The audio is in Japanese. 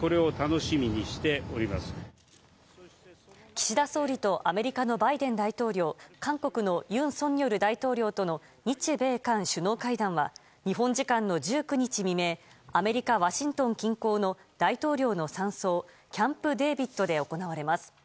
岸田総理とアメリカのバイデン大統領韓国の尹錫悦大統領との日米韓首脳会談は日本時間の１９日未明アメリカ・ワシントン近郊の大統領の山荘キャンプ・デービッドで行われます。